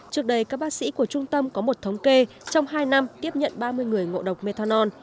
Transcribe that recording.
trước đây các bác sĩ của trung tâm có một thống kê trong hai năm tiếp nhận ba mươi người ngộ độc methanol